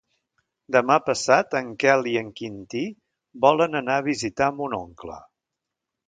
Demà passat en Quel i en Quintí volen anar a visitar mon oncle.